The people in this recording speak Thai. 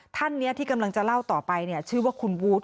ท่านที่กำลังจะเล่าต่อไปชื่อว่าคุณวูท